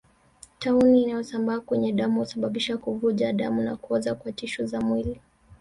Tauni inayosambaa kwenye damu husababisha kuvuja damu na kuoza kwa tishu za mwili